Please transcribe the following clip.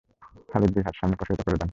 খালিদ দুই হাত সামনে প্রসারিত করে দেন।